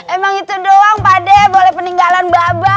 emang itu doang padeh boleh peninggalan babak